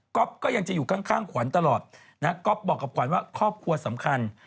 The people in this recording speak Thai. ก็ยังจะอยู่ข้างขวัญตลอดนะก๊อฟบอกกับขวัญว่าครอบครัวสำคัญ